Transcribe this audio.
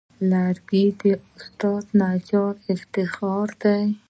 لرګی د استاد نجار افتخار دی.